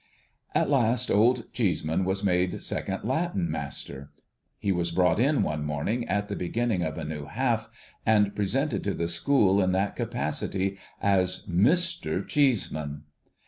At last. Old Cheeseman was made second Latin Master. He was brought in one morning at the beginning of a new half, and presented to the school in that capacity as ' Mr. Cheeseman.'